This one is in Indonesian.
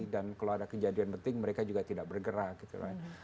dan kalau ada kejadian penting mereka juga tidak bergerak gitu